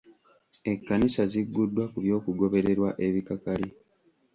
Ekkanisa zigguddwa ku by'okugobererwa ebikakali.